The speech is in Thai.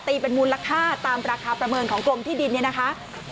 เป็นมูลค่าตามราคาประเมินของกรมที่ดินเนี่ยนะคะ